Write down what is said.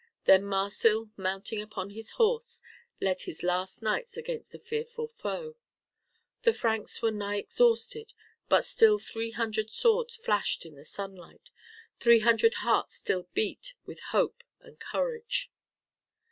Then Marsil, mounting upon his horse, led his last knights against the fearful foe. The Franks were nigh exhausted, but still three hundred swords flashed in the sunlight, three hundred hearts still beat with hope and courage.